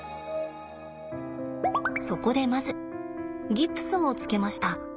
そこでまずギプスをつけました。